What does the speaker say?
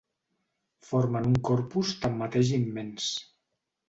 Formen un corpus tanmateix immens.